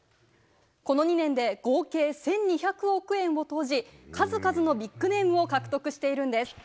この２年で合計１２００億円を投じ、数々のビッグネームを獲得しているんです。